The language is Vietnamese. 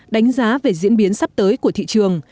đánh giá về diễn biến sắp tới của thị trường